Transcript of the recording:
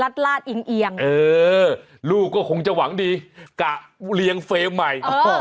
ด้วยความที่ว่า